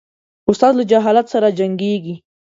استاد له جهالت سره جنګیږي.